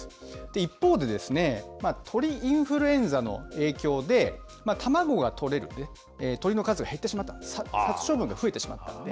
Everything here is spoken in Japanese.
一方でですね、鳥インフルエンザの影響で、たまごがとれる鳥の数が減ってしまった、殺処分が増えてしまったので。